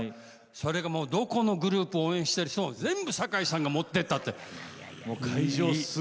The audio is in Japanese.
それが、もうどこのグループも応援してる人も全部堺さんがもっていったって！